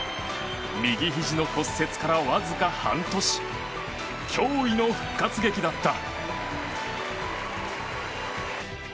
右ひじの骨折からわずか半年驚異の復活劇だった。